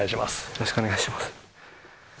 よろしくお願いします。